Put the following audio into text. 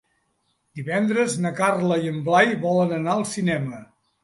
Divendres na Carla i en Blai volen anar al cinema.